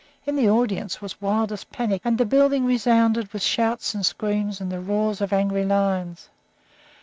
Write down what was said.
In the audience was wildest panic, and the building resounded with shouts and screams and the roars of angry lions.